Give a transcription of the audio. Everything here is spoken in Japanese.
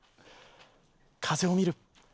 風を見る。